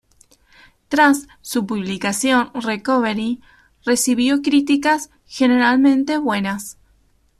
Tras su publicación, "Recovery" recibió críticas generalmente buenas.